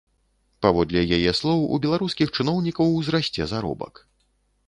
Паводле яе слоў, у беларускіх чыноўнікаў узрасце заробак.